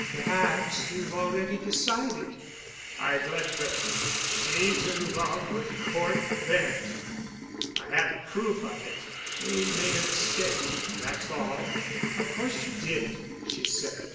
Perhaps you've already decided." "I've left her—she's in love with Cort Bent. I have proof of it. We made a mistake, that's all." "Of course you did," she said.